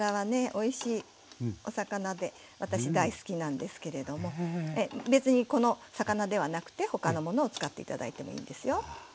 おいしいお魚で私大好きなんですけれども別にこの魚ではなくて他のものを使って頂いてもいいんですよ。